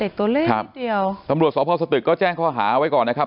เข้าพอดีสำรวจสอบพ่อสตึกก็แจ้งข้อหาไว้ก่อนนะครับ